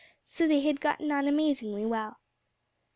So they had gotten on amazingly well.